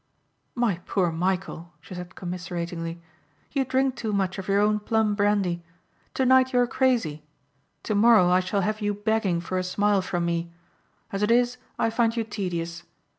"My poor Michæl," she said commiseratingly, "you drink too much of your own plum brandy. Tonight you are crazy. Tomorrow I shall have you begging for a smile from me. As it is I find you tedious.